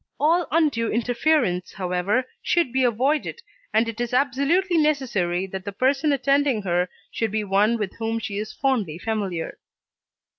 All undue interference, however, should be avoided, and it is absolutely necessary that the person attending her should be one with whom she is fondly familiar.